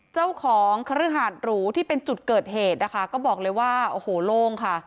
เจ้าของคฤหาดหรูที่เป็นจุดเกิดเหตุนะคะก็บอกเลยว่าโอ้โหโล่งค่ะ